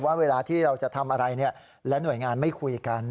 ว่าเวลาที่เราจะทำอะไรและหน่วยงานไม่คุยกัน